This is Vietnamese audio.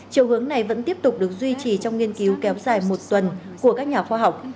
chiều hướng này vẫn tiếp tục được duy trì trong nghiên cứu kéo dài một tuần của các nhà khoa học